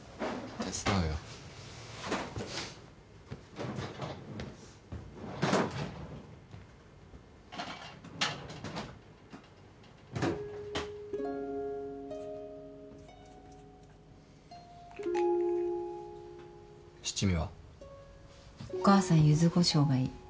お母さんゆずこしょうがいい。